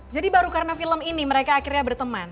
jadi baru karena film ini mereka akhirnya berteman